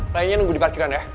lainnya nunggu di parkiran ya